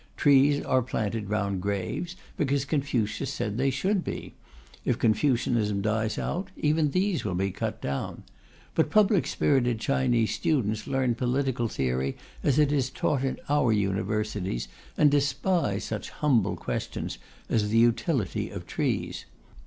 Trees are planted round graves, because Confucius said they should be; if Confucianism dies out, even these will be cut down. But public spirited Chinese students learn political theory as it is taught in our universities, and despise such humble questions as the utility of trees.